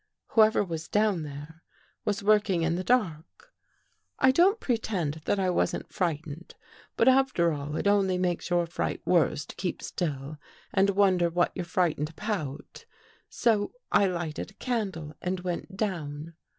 Whoever was down there, was working in the dark. " I don't pretend that I wasn't frightened, but after all, it only makes your fright worse to keep still and wonder what you're frightened about, so I lighted a candle and went down.